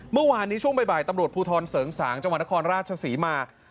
เมื่อวานนี้ช่วงบ่ายตำรวจภูทรเสริงสางจังหวัดนครราชศรีมา